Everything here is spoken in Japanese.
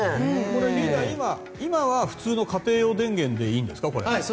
リーダー、今は普通の家庭用電源でいいんですか？